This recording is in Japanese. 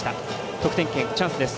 得点圏、チャンスです。